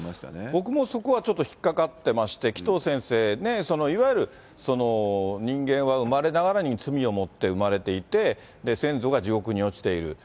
僕もそこはちょっと引っかかってまして、紀藤先生、ね、いわゆる人間は生まれながらに罪をもって生まれていて、先祖が地獄に落ちている。